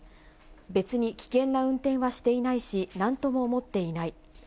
別に危険な運転はしていないし、なんとも思っていない。